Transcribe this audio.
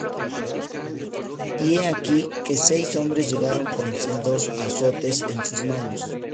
Y he aquí que seis hombres llegaron con sendos azotes en sus manos.